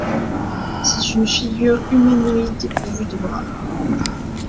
C'est une figure humanoïde dépourvue de bras.